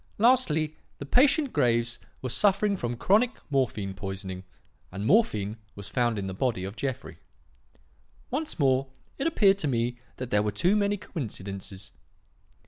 Lastly, the patient Graves was suffering from chronic morphine poisoning, and morphine was found in the body of Jeffrey. "Once more, it appeared to me that there were too many coincidences.